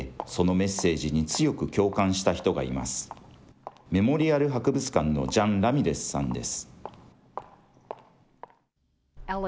メモリアル博物館のジャン・ラミレスさんです。